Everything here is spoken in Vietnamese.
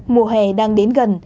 mùa hè đang đến gần